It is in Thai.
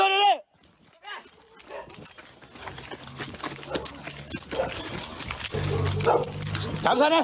เจ้าแม่น้ำเจ้าแม่น้ำ